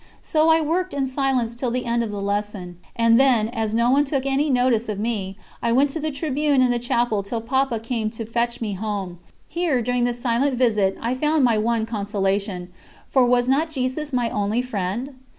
So I worked in silence till the end of the lesson, and then, as no one took any notice of me, I went to the tribune in the Chapel till Papa came to fetch me home. Here, during this silent visit, I found my one consolation for was not Jesus my only Friend?